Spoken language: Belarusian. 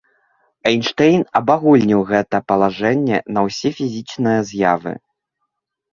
Эйнштэйн абагульніў гэта палажэнне на ўсе фізічныя з'явы.